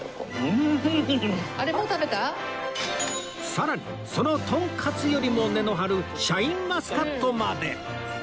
さらにそのとんかつよりも値の張るシャインマスカットまで